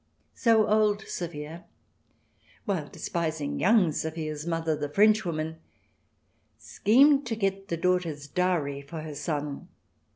So old Sophia, while despising young Sophia's mother, the Frenchwoman, schemed to get the daughter's dowry for her son.